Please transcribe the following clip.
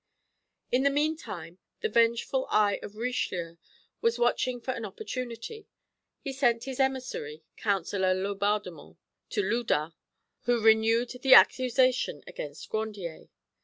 In the meantime the vengeful eye of Richelieu was watching for an opportunity. He sent his emissary, Councillor Laubardemont, to Loudun, who renewed the accusation against Grandier.